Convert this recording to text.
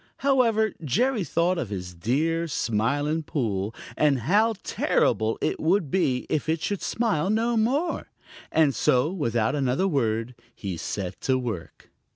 However, Jerry thought of his dear Smiling Pool, and how terrible it would be if it should smile no more, and so without another word he set to work.